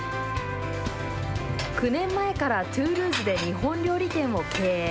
９年前からトゥールーズで日本料理店を経営。